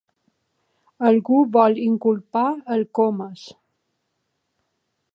Algú vol inculpar el Comas.